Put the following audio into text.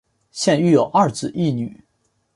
现育有二子一女。